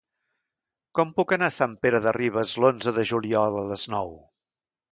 Com puc anar a Sant Pere de Ribes l'onze de juliol a les nou?